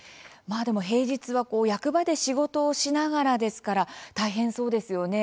平日は役場で仕事をしながらですから大変そうですよね。